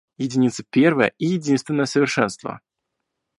Единица первое и единственное совершенство.